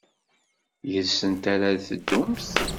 Yid-sent ara ad teddumt?